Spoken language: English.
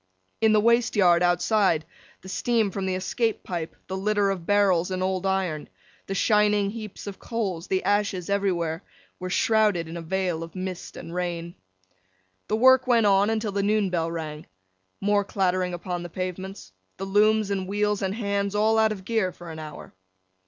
In the waste yard outside, the steam from the escape pipe, the litter of barrels and old iron, the shining heaps of coals, the ashes everywhere, were shrouded in a veil of mist and rain. The work went on, until the noon bell rang. More clattering upon the pavements. The looms, and wheels, and Hands all out of gear for an hour.